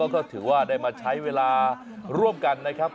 ก็ถือว่าได้มาใช้เวลาร่วมกันนะครับ